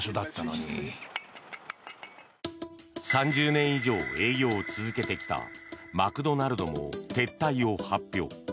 ３０年以上営業を続けてきたマクドナルドも撤退を発表。